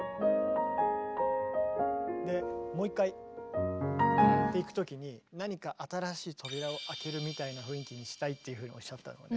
でもう一回っていくときに何か新しい扉を開けるみたいな雰囲気にしたいっていうふうにおっしゃったのがね